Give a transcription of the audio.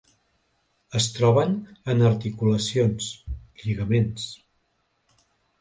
Es troben en articulacions, lligaments.